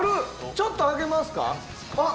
ちょっと上げますか？